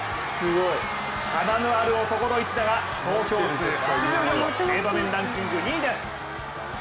華のある男の一打が投票数８４票の名場面ランキング、２位です。